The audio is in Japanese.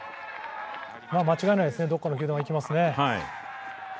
間違いないですね、どこかの球団がいきますね。